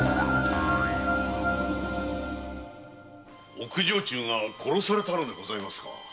奥女中が殺されたのでございますか？